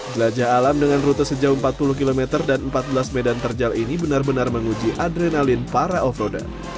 jelajah alam dengan rute sejauh empat puluh km dan empat belas medan terjal ini benar benar menguji adrenalin para off roader